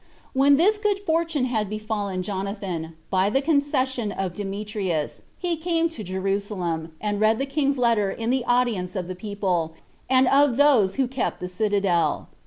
When this good fortune had befallen Jonathan, by the concession of Demetrius, he came to Jerusalem, and read the king's letter in the audience of the people, and of those that kept the citadel.